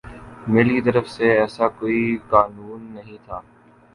مل کی طرف سے ایسا کوئی قانون نہیں تھا